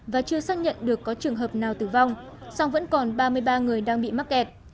và chưa xác nhận được có trường hợp nào tử vong song vẫn còn ba mươi ba người đang bị mắc kẹt